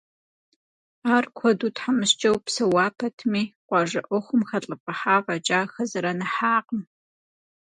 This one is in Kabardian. Ар куэду тхьэмыщкӏэу псэуа пэтми, къуажэ ӏуэхум хэлӏыфӏыхьа фӏэкӏа, хэзэрэныхьакъым.